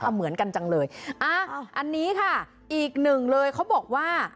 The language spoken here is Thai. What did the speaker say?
เหมือนกันจังเลยอ่ะอันนี้ค่ะอีกหนึ่งเลยเขาบอกว่า